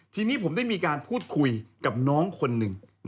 ทีนี้ผมได้มีการพูดคุยกับน้องคนหนึ่ง